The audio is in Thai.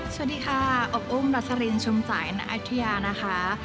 สวัสดีค่ะอบอุ้มรัสรินชุมจัยนาอาทิยานะคะ